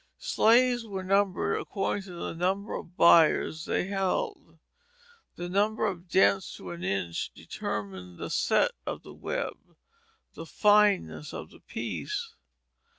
Sleys were numbered according to the number of biers they held. The number of dents to an inch determined the "set of the web," the fineness of the piece.